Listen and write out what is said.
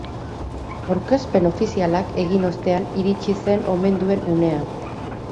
Aurkezpen ofizialak egin ostean iritsi zen omenduen unea.